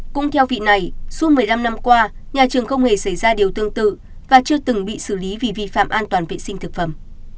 cũng theo vị này suốt một mươi năm năm qua nhà trường không hề xảy ra điều tương tự và chưa từng bị xử lý vì vi phạm an toàn vệ sinh thực phẩm